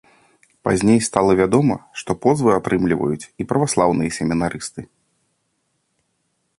Пазней стала вядома, што позвы атрымліваюць і праваслаўныя семінарысты.